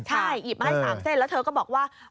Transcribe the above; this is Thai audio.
ใช่หยิบมาให้๓เส้นแล้วเธอก็บอกว่า